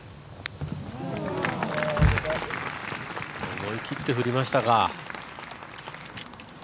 思い切って振りましたか。